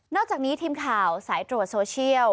อกจากนี้ทีมข่าวสายตรวจโซเชียล